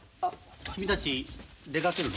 君たち出かけるの？